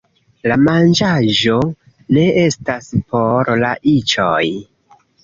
La manĝaĵo ne estas por la iĉoj